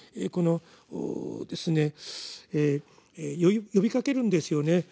この呼びかけるんですよね。